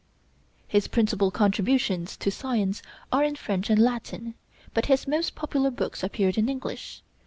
His principal contributions to science are in French and Latin, but his most popular books appeared in English.